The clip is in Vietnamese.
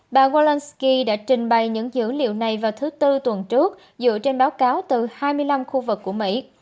bà zalandsky đã trình bày những dữ liệu này vào thứ tư tuần trước dựa trên báo cáo từ hai mươi năm khu vực của mỹ